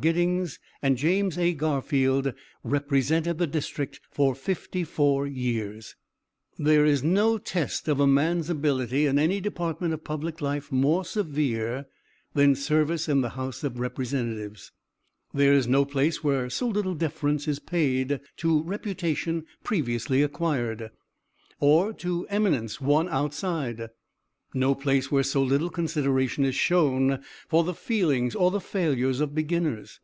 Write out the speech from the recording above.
Giddings, and James A. Garfield represented the district for fifty four years. "There is no test of a man's ability in any department of public life more severe than service in the House of Representatives; there is no place where so little deference is paid to reputation previously acquired, or to eminence won outside; no place where so little consideration is shown for the feelings or the failures of beginners.